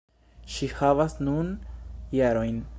Ŝi havas nun jarojn.